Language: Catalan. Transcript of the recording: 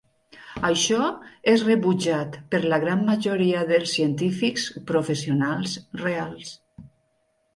Això és rebutjat per la gran majoria dels científics professionals reals.